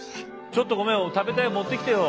ちょっとごめん食べたい持ってきてよ。